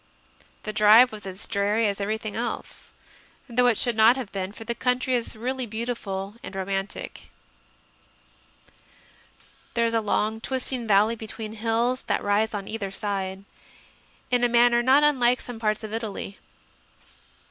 The drive was as dreary as everything else, though it should not have been, for the country is really beautiful and romantic. There is a long twisting valley between hills that rise on either side 130 CONFESSIONS OF A CONVERT in a manner not unlike some parts of Italy.